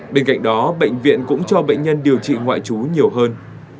bên cạnh đó bệnh viện cũng cho bệnh nhân điều trị ngoại trú nhiều hơn